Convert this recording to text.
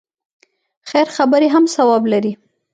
خیر خبرې هم ثواب لري.